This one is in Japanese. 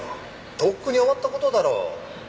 とっくに終わった事だろう。